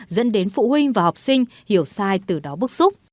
dẫn đến phụ huynh và học sinh hiểu sai từ đó bức xúc